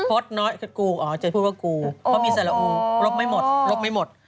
น้อยก็กูอ๋อจะพูดว่ากูเพราะมีสารอูลบไม่หมดลบไม่หมด